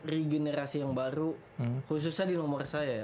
di generasi yang baru khususnya di nomor saya